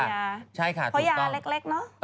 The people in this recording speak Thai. เพราะยาเล็กเนอะ